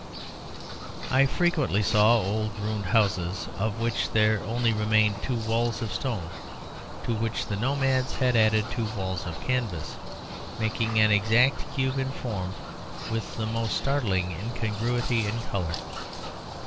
I frequently saw old ruined houses of which there only remained two walls of stone, to which the nomads had added two walls of canvas making an exact cube in form with the most startling incongruity in colour.